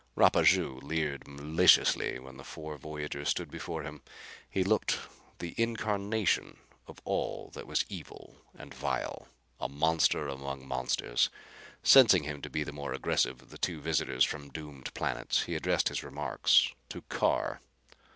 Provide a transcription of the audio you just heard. Rapaju leered maliciously when the four voyagers stood before him. He looked the incarnation of all that was evil and vile, a monster among monsters. Sensing him to be the more aggressive of the two visitors from doomed planets, he addressed his remarks to Carr.